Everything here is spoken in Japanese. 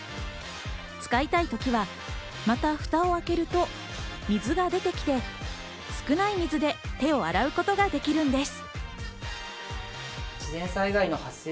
使いたいときはまたフタを開けると水が出てきて、少ない水で手を洗うことができるんです。